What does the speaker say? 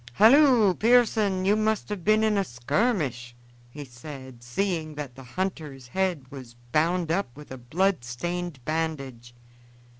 "Halloo, Pearson! you must have been in a skirmish," he said, seeing that the hunter's head was bound up with a bloodstained bandage.